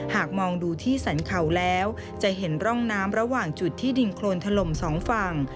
หากมองดูที่สรรเขาแล้วจะเห็นร่องน้ำระหว่างจุดที่ดินโครนถล่มสองฝั่ง